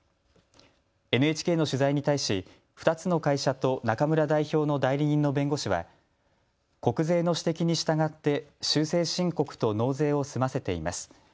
ＮＨＫの取材に対し２つの会社と中村代表の代理人の弁護士は国税の指摘に従って修正申告と納税を済ませています。